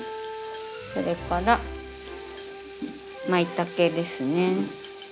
それからまいたけですね。